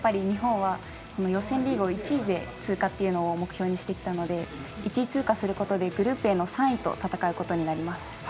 日本は、予選リーグを１位で通過というのを目標にしてきたので１位通過することでグループの３位と戦うことになります。